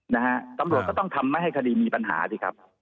นะฮะตำรวจก็ต้องทำไม่ให้คดีมีปัญหาสิครับ